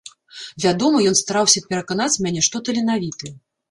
Вядома, ён стараўся пераканаць мяне, што таленавіты.